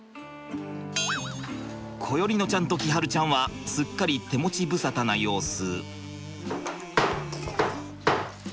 心縁乃ちゃんと輝会ちゃんはすっかり手持ち無沙汰な様子。